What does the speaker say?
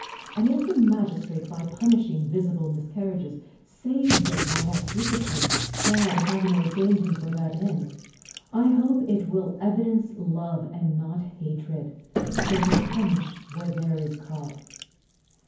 And if the magis trate, by punishing visible miscarriages, save them by that discipline, God having ordained him for that end, I hope it will evidence love and not hatred, so to punish where there is cause.